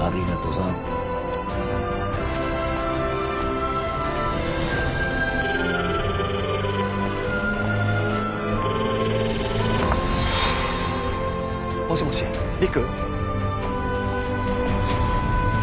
さんもしもし陸？